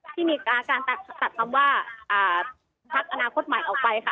ที่มีการตัดคำว่าพักอนาคตใหม่ออกไปค่ะ